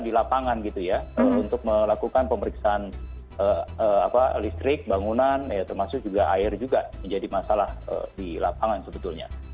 di lapangan gitu ya untuk melakukan pemeriksaan listrik bangunan termasuk juga air juga menjadi masalah di lapangan sebetulnya